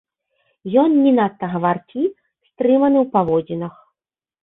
Ён не надта гаваркі, стрыманы ў паводзінах.